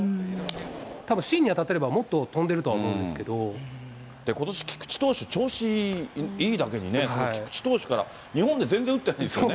たぶん、芯に当たってればもことし菊池投手、調子いいだけに、その菊池投手から、日本で全然打ってないですよね。